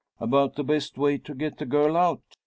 "About the best way to get the girl out.